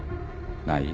ない？